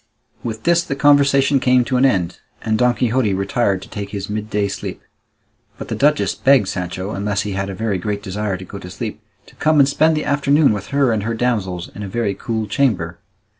With this, the conversation came to an end, and Don Quixote retired to take his midday sleep; but the duchess begged Sancho, unless he had a very great desire to go to sleep, to come and spend the afternoon with her and her damsels in a very cool chamber.